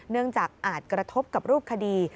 เนื่องจากอาจกระทบกับรูปคดี